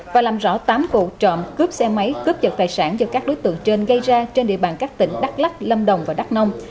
và làm rõ tám vụ trộm cướp xe máy cướp vật tài sản do các đối tượng trên gây ra trên địa bàn các tỉnh đắk lắc lâm đồng và đắk nông